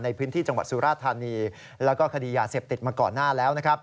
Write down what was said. ในพื้นที่จังหวัดสุราธานีแล้วก็คดียาเสพติดมาก่อนหน้าแล้ว